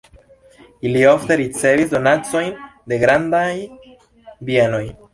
Ili ofte ricevis donacojn de grandaj bienoj.